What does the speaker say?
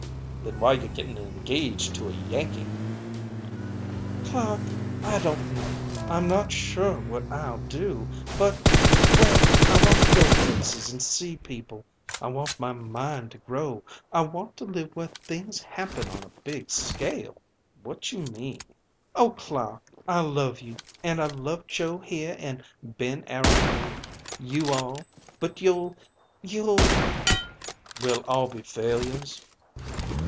"Then why you gettin' engaged to a Yankee?" "Clark, I don't know. I'm not sure what I'll do, but well, I want to go places and see people. I want my mind to grow. I want to live where things happen on a big scale." "What you mean?" "Oh, Clark, I love you, and I love Joe here and Ben Arrot, and you all, but you'll you'll " "We'll all be failures?"